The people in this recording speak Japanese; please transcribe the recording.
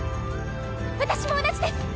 私も同じです。